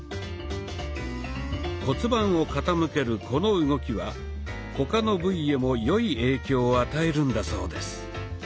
骨盤を傾けるこの動きは他の部位へも良い影響を与えるんだそうです。